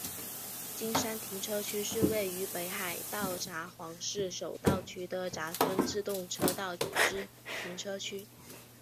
金山停车区是位于北海道札幌市手稻区的札樽自动车道之停车区。